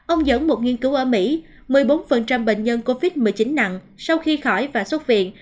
ông dẫn một nghiên cứu ở mỹ một mươi bốn bệnh nhân covid một mươi chín nặng sau khi khỏi và xuất viện